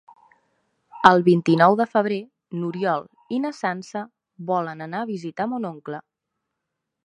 El vint-i-nou de febrer n'Oriol i na Sança volen anar a visitar mon oncle.